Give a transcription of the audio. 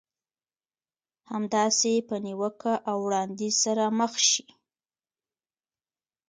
همداسې په نيوکه او وړانديز سره مخ شئ.